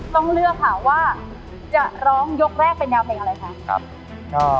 ต้องเลือกค่ะว่าจะร้องยกแรกเป็นแนวเพลงอะไรคะ